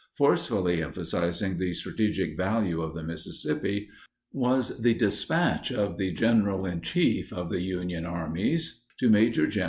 Forcefully emphasizing the strategic value of the Mississippi was the dispatch of the General in Chief of the Union armies to Maj. Gen.